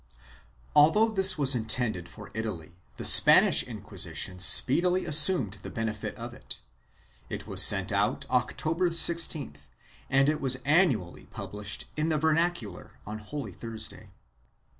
2 Although this was intended for Italy, the Spanish Inquisition speedily assumed the benefit of it; it was sent out October 16th and it was annually published in the vernacular on Holy Thurs day.